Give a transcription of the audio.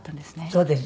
そうです。